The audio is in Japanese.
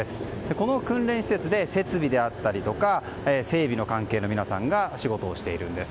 この訓練施設で設備であったりとか整備関係の皆さんが仕事をされているんです。